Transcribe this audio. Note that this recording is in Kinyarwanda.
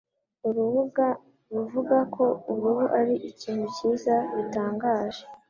Urubuga ruvuga ko uruhu ari ikintu cyiza bitangaje